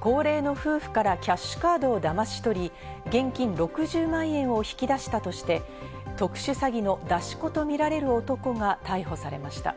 高齢の夫婦からキャッシュカードをだまし取り、現金６０万円を引き出したとして、特殊詐欺の出し子とみられる男が逮捕されました。